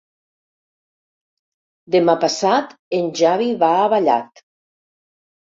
Demà passat en Xavi va a Vallat.